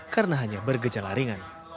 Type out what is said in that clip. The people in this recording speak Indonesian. karena hanya bergejala ringan